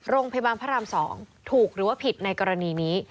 พระราม๒ถูกหรือว่าผิดในกรณีนี้